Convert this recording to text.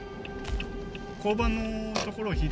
交番のところを左？